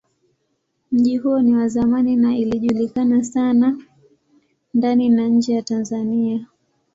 Mji huo ni wa zamani na ilijulikana sana ndani na nje ya Tanzania.